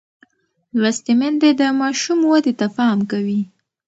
لوستې میندې د ماشوم ودې ته پام کوي.